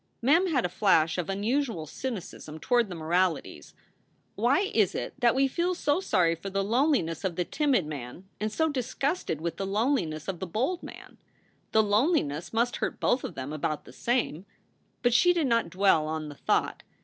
Mem had a flash of unusual cynicism toward the mo ralities. Why is it that we feel so sorry for the loneliness of the timid man and so disgusted with the loneliness of the bold man? The loneliness must hurt both of them about the same. But she did not dwell on the thought.